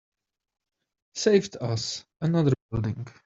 Saved us another building.